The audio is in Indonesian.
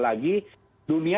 apalagi dunia saat ini masih